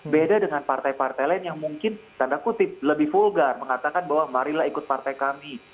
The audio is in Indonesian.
beda dengan partai partai lain yang mungkin tanda kutip lebih vulgar mengatakan bahwa marilah ikut partai kami